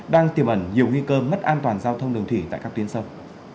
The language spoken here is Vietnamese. đang tiềm ẩn nhiều nguy cơ mất an toàn giao thông đường thủy tại các tuyến sông